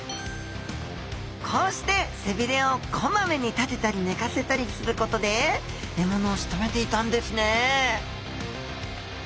こうして背鰭をこまめに立てたり寝かせたりすることで獲物をしとめていたんですね